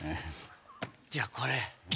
じゃあこれ。